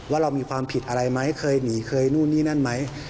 ว่าเรามีความผิดอะไรไหมเคยหนีเคยนู่นนี่นั่นไหม